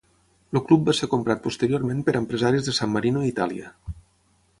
El club va ser comprat posteriorment per empresaris de San Marino i Itàlia.